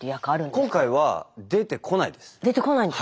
今回は出てこないです。